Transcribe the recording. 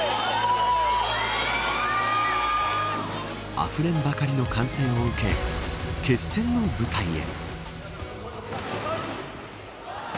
あふれんばかりの歓声を受け決戦の舞台へ。